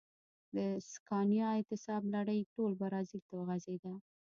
د سکانیا اعتصاب لړۍ ټول برازیل ته وغځېده.